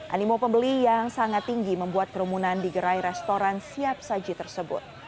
animo pembeli yang sangat tinggi membuat kerumunan di gerai restoran siap saji tersebut